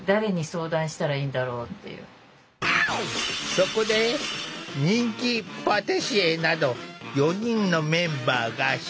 そこで人気パティシエなど４人のメンバーが集結！